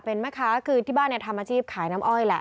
เป็นแม่ค้าคือที่บ้านเนี่ยทำอาชีพขายน้ำอ้อยแหละ